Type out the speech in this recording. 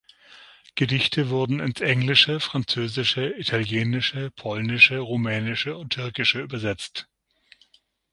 Gedichte wurden ins Englische, Französische, Italienische, Polnische, Rumänische und Türkische übersetzt.